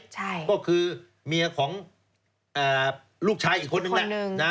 ใช่ก็คือเมียของลูกชายอีกคนนึงแหละ